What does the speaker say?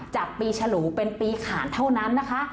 จากปีฉลูเป็นปีขาดเท่านั้นนะคะ